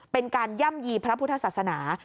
เป็นการย่ำยีพระพุทธศาสนา